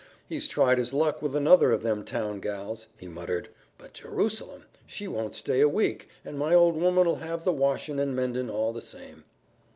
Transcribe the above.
"He's tried his luck with another of them town gals," he muttered, "but, Jerusalem! She won't stay a week, an' my old woman'll have the washin' an' mendin' all the same."